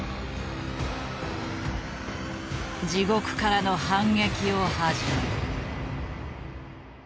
地獄からの反撃を始める。